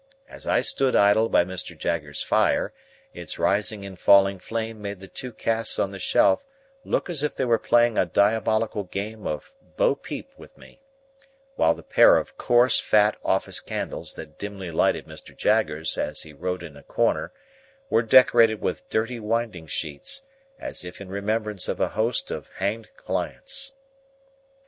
As I stood idle by Mr. Jaggers's fire, its rising and falling flame made the two casts on the shelf look as if they were playing a diabolical game at bo peep with me; while the pair of coarse, fat office candles that dimly lighted Mr. Jaggers as he wrote in a corner were decorated with dirty winding sheets, as if in remembrance of a host of hanged clients.